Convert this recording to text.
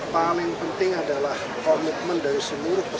pangan biru adalah program pengambilan sampah dunia